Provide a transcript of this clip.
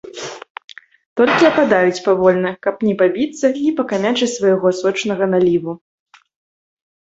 Толькі ападаюць павольна, каб не пабіцца, не пакамячыць свайго сочнага наліву.